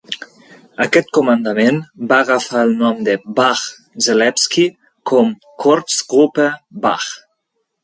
Aquest comandament va agafar el nom de Bach-Zelewski, com "Korpsgruppe Bach".